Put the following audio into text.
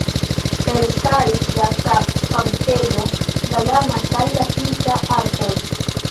Elstaris la sap-fabrikejo, la lana kaj la silka artoj.